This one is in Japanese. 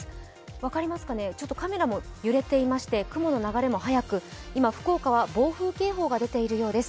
分かりますかね、カメラも揺れていまして、雲の流れも速く、今、福岡は暴風警報も出ているようです。